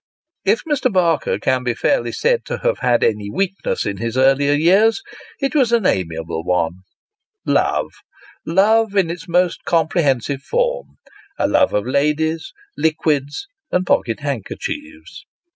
If Mr. Barker can be fairly said to have had any weakness in his earlier years, it was an amiable one love ; love in its most compre hensive form a love of ladies, liquids, and pocket handkerchiefs.